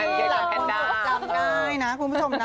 จำได้นะคุณผู้ชมนะ